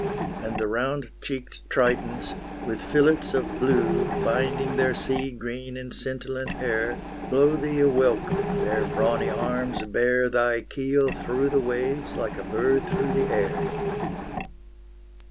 And the round cheeked Tritons, with fillets of blue Binding their sea green and scintillant hair, Blow thee a welcome; their brawny arms bear Thy keel through the waves like a bird through the air.